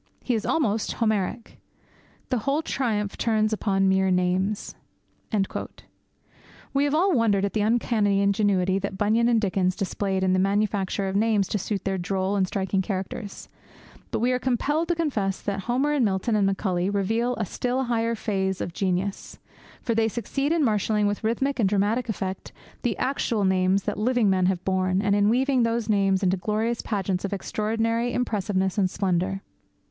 He is almost Homeric. The whole triumph turns upon mere names.' We have all wondered at the uncanny ingenuity that Bunyan and Dickens displayed in the manufacture of names to suit their droll and striking characters; but we are compelled to confess that Homer and Milton and Macaulay reveal a still higher phase of genius, for they succeed in marshalling with rhythmic and dramatic effect the actual names that living men have borne, and in weaving those names into glorious pageants of extraordinary impressiveness and splendour.